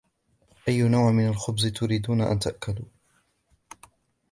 أي نوع من الخبز تريدون أن تأكلوا؟